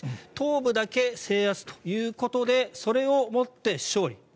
東部だけ制圧ということでそれをもって勝利。